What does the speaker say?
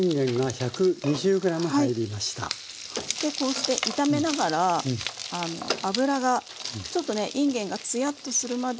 でこうして炒めながら脂がちょっとねいんげんがツヤッとするまで炒めて下さい。